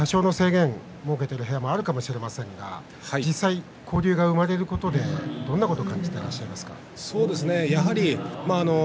多少の制限を設けている部屋もあると思いますが実際交流が生まれることでどんなことを感じてらっしゃいますか。